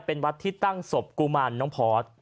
เป็นวัดที่ตั้งศพกุมารนพ